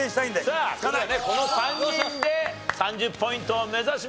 さあこの３人で３０ポイントを目指します。